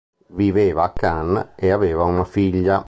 Viveva a Cannes e aveva una figlia.